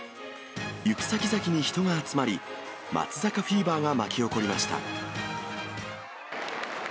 行く先々に人が集まり、松坂フィーバーが巻き起こりました。